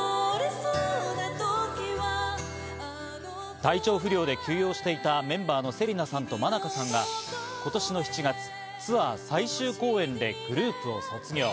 体調不良で休養していたメンバーの芹奈さんとｍａｎａｋａさんが今年の７月、ツアー最終公演でグループを卒業。